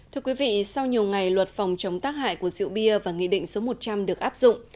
thưa quý vị sau nhiều ngày luật phòng chống tác hại của rượu bia và nghị định số một trăm linh được áp dụng